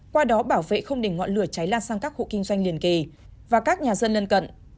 qua đó bảo vệ không để ngọn lửa cháy lan sang các hộ kinh doanh liền kề và các nhà dân lân cận